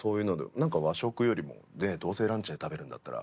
なんか和食よりもどうせランチで食べるんだったら。